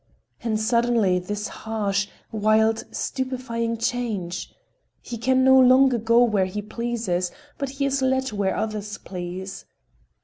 And suddenly this harsh, wild, stupefying change. He can no longer go where he pleases, but he is led where others please.